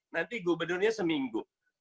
nanti gubernurnya seminggu